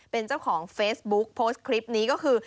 เป็นเจ้าของเฟซบุ๊กโพสต์คลิปนี้ก็คือ